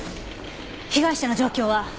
被害者の状況は？